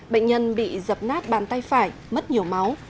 bệnh nhân bị dập nát bàn tay phải mất nhiều máu